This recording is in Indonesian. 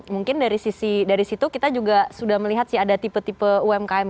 mungkin dari sisi dari situ kita juga sudah melihat sih ada tipe tipe umkm